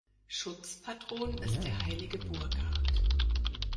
Schutzpatron ist der heilige Burkard.